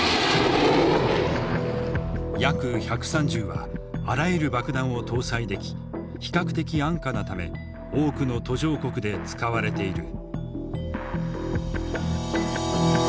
Ｙａｋ−１３０はあらゆる爆弾を搭載でき比較的安価なため多くの途上国で使われている。